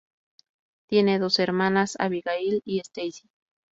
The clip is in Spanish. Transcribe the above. Tiene dos hermanas, Abigail y Stacey.